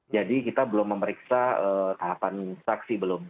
jadi kita belum memeriksa tahapan saksi belum